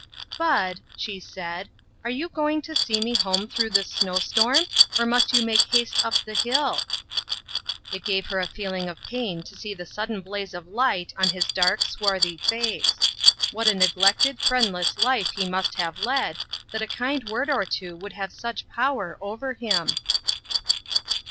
"Bud," she said, "are you going to see me home through this snow storm ? or must you make haste up the hill?" STARTING FOR HOME. 22Q It gave her a feeling of pain to see the sudden blaze of light on his dark, swarthy face. What a neglected, friendless life he must have led, that a kind word or two could have such power over him